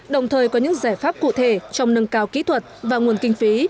đồng thời có những giải pháp cụ thể trong nâng cao kỹ thuật và nguồn kinh phí